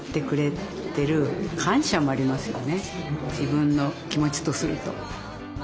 自分の気持ちとすると。